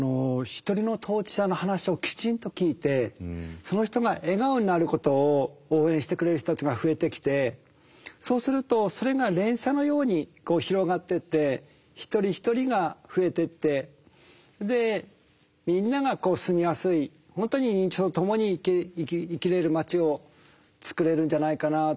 その人が笑顔になることを応援してくれる人たちが増えてきてそうするとそれが連鎖のようにこう広がってって一人一人が増えてってでみんなが住みやすい本当に認知症とともに生きれる町をつくれるんじゃないかなって